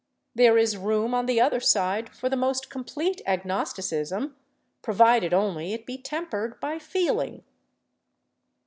There is room, on the other side, for the most complete agnosticism, provided only it be tempered by feeling.